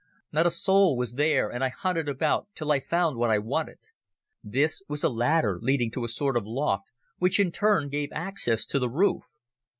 Not a soul was there, and I hunted about till I found what I wanted. This was a ladder leading to a sort of loft, which in turn gave access to the roof.